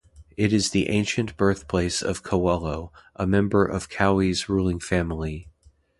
It is the ancient birthplace of Kawelo, a member of Kauai's ruling family.